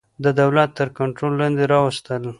د دولت تر کنټرول لاندي راوستل.